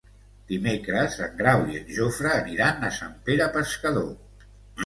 Dimecres en Grau i en Jofre aniran a Sant Pere Pescador.